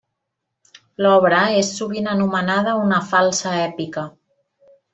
L'obra és sovint anomenada una falsa èpica.